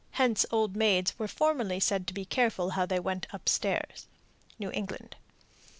(Hence old maids were formerly said to be careful how they went up stairs.) _New England.